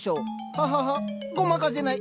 ハハハごまかせない。